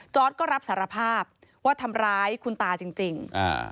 ก็รับสารภาพว่าทำร้ายคุณตาจริงจริงอ่า